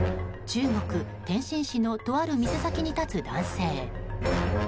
中国・天津市のとある店先に立つ男性。